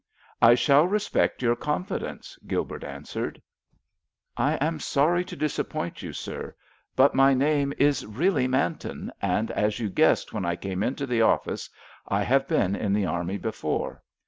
"I shall respect your confidence," Gilbert answered. "I am sorry to disappoint you, sir, but my name is really Manton, and, as you guessed when I came into the office, I have been in the army before.